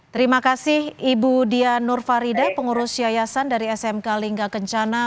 terima kasih ibu dian nurfarida pengurus yayasan dari smk lingga kencana